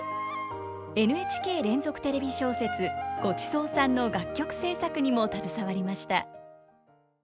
ＮＨＫ連続テレビ小説「ごちそうさん」の楽曲制作にも携わりました。